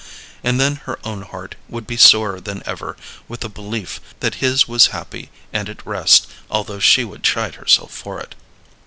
And then her own heart would be sorer than ever with the belief that his was happy and at rest, although she would chide herself for it.